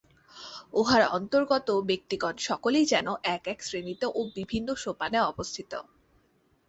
উহার অন্তর্গত ব্যক্তিগণ সকলেই যেন এক এক শ্রেণীতে ও বিভিন্ন সোপানে অবস্থিত।